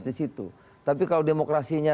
di situ tapi kalau demokrasinya